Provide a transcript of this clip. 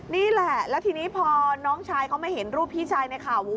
นี่แหละแล้วทีนี้พอน้องชายเขามาเห็นรูปพี่ชายในข่าว